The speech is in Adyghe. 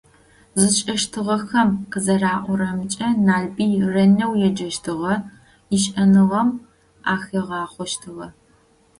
Зышӏэщтыгъэхэм къызэраӏорэмкӏэ Налбый ренэу еджэщтыгъэ, ишӏэныгъэхэм ахигъахъощтыгъэ.